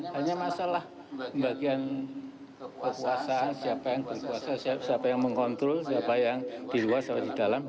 hanya masalah bagian kekuasaan siapa yang mengkontrol siapa yang di luar siapa yang di dalam